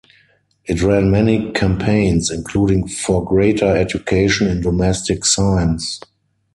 It ran many campaigns, including for greater education in domestic science.